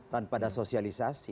tanpa ada sosialisasi